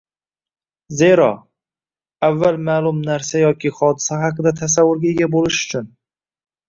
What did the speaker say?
Zero, avval ma’lum narsa yoki hodisa haqida tasavvurga ega bo‘lish uchun